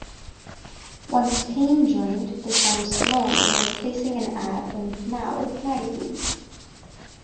Once Payne joined they found Slone by placing an ad in "Now" magazine.